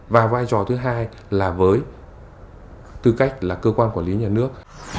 và vai trò thứ hai là với tư cách là cơ quan quản lý nhà nước